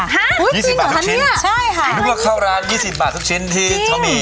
ฮะจริงเหรอคะเนี่ยใช่ค่ะนึกว่าเข้าร้าน๒๐บาททุกชิ้นที่เท้ามี